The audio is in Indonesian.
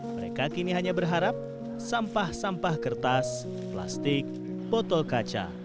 mereka kini hanya berharap sampah sampah kertas plastik botol kaca